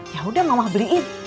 yaudah mama beliin